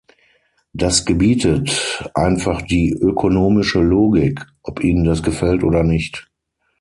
Das gebietet einfach die ökonomische Logik, ob Ihnen das gefällt oder nicht.